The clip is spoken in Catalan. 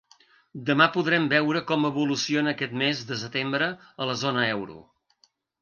Demà podrem veure com evoluciona aquest mes de setembre a la zona euro.